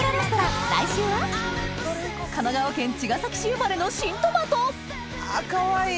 神奈川県茅ヶ崎市生まれの新トマトあかわいい。